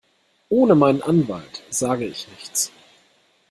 Ohne meinen Anwalt sage ich nichts.